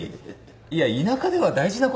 いや田舎では大事なことでしょ。